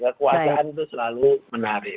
kekuasaan itu selalu menarik